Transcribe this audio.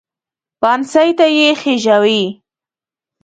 پانسۍ ته یې خېژاوې.